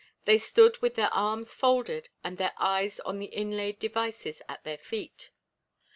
They stood with their arms folded and their eyes on the inlaid devices at their feet.